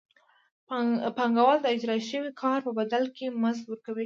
پانګوال د اجراء شوي کار په بدل کې مزد ورکوي